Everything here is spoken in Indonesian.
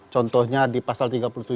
contohnya di pasal tiga puluh tujuh